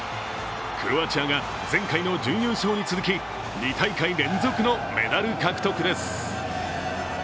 クロアチアが前回の準優勝に続き２大会連続のメダル獲得です。